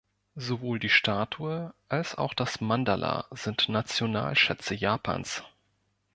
Sowohl die Statue als auch das Mandala sind Nationalschätze Japans.